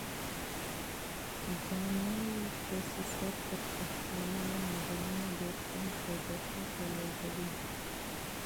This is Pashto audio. دا نوی پروسیسر تر پخوانیو ماډلونو ډېر کم تودوخه تولیدوي.